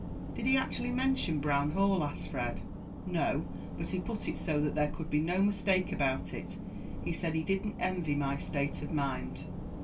"Did he actually mention Brown Hall?" asked Fred. "No; but he put it so that there could be no mistake about it; he said he didn't envy my state of mind."